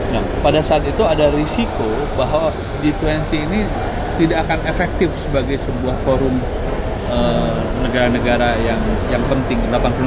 nah pada saat itu ada risiko bahwa g dua puluh ini tidak akan efektif sebagai sebuah forum negara negara yang penting